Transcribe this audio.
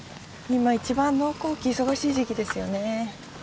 今一番農耕期忙しい時期ですよね。